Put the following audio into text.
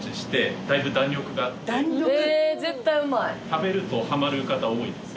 食べるとはまる方多いです。